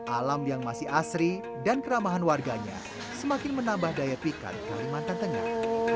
alam yang masih asri dan keramahan warganya semakin menambah daya pikat kalimantan tengah